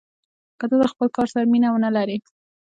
که ته د خپل ځان سره مینه ونه لرې.